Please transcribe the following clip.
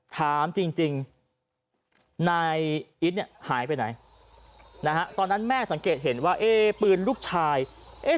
ถามจริงนายอิตเนี่ยหายไปไหนนะฮะตอนนั้นแม่สังเกตเห็นว่าเอ๊ปืนลูกชายเอ๊ะ